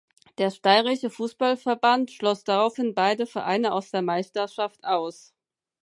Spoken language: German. Der Steirische Fußballverband schloss daraufhin beide Vereine aus der Meisterschaft aus.